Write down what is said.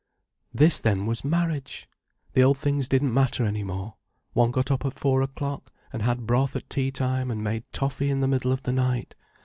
This then was marriage! The old things didn't matter any more. One got up at four o'clock, and had broth at tea time and made toffee in the middle of the night.